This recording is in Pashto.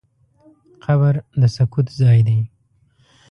قبر د سکوت ځای دی.